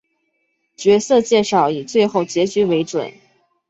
角色介绍以最后结局为准。